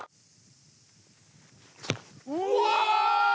うわ！